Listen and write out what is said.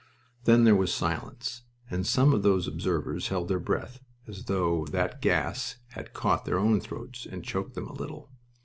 Then there was silence, and some of those observers held their breath as though that gas had caught their own throats and choked them a little.